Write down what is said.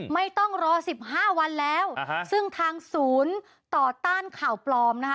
ไม่ต้องรอสิบห้าวันแล้วซึ่งทางศูนย์ต่อต้านข่าวปลอมนะคะ